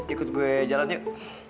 ikut gue jalan yuk